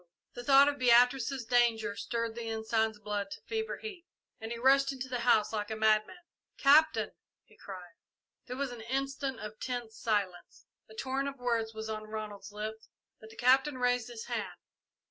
The thought of Beatrice's danger stirred the Ensign's blood to fever heat, and he rushed into the house like a madman. "Captain!" he cried. There was an instant of tense silence. A torrent of words was on Ronald's lips, but the Captain raised his hand.